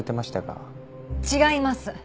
違います！